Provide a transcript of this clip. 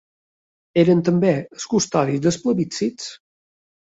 Eren també els custodis dels plebiscits.